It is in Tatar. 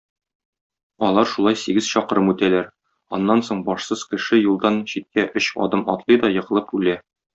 Алар шулай сигез чакрым үтәләр, аннан соң башсыз кеше юлдан читкә өч адым атлый да егылып үлә.